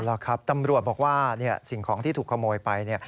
แล้วครับตำรวจบอกว่าสิ่งของที่ถูกขโมยไป